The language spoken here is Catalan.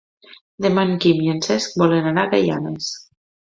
Demà en Quim i en Cesc volen anar a Gaianes.